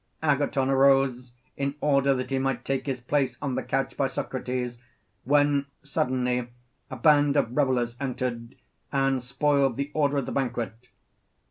Agathon arose in order that he might take his place on the couch by Socrates, when suddenly a band of revellers entered, and spoiled the order of the banquet.